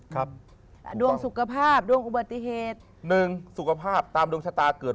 ครับอ่าดวงสุขภาพดวงอุบัติเหตุหนึ่งสุขภาพตามดวงชะตาเกิด